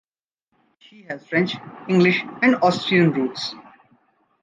She has French, English and Austrian roots.